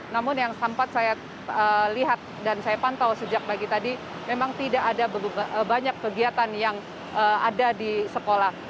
namun yang sempat saya lihat dan saya pantau sejak pagi tadi memang tidak ada banyak kegiatan yang ada di sekolah